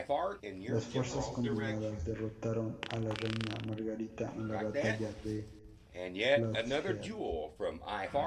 Las fuerzas combinadas derrotaron a la reina Margarita en la Batalla de Lo Heath.